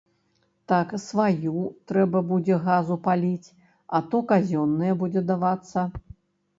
Так сваю трэба будзе газу паліць, а то казённая будзе давацца.